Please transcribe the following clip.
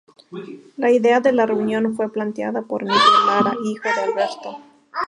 La idea de la reunión fue planteada por Miguel Lara, hijo de Alberto.